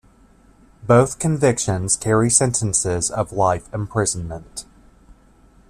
Both convictions carry sentences of life imprisonment.